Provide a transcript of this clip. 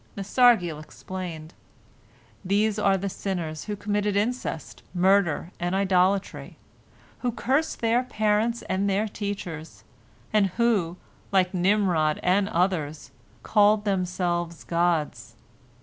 Nasargiel explained: "These are the sinners who committed incest, murder, and idolatry, who cursed their parents and their teachers, and who, like Nimrod and others, called themselves gods."